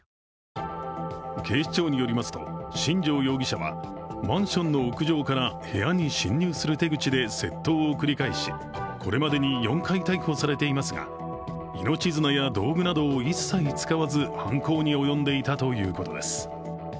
警視庁によりますと新城容疑者は、マンションの屋上から部屋に侵入する手口で窃盗を繰り返し、これまでに４回逮捕されていますが命綱や道具などを一切使わず犯行に及んでいたということです。